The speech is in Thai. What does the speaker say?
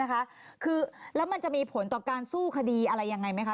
แล้วมันจะมีผลต่อการสู้คดีอะไรอย่างไรไหม